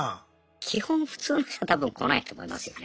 基本普通の人は多分来ないと思いますよね。